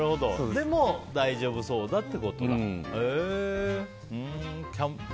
でも、大丈夫そうだってことね。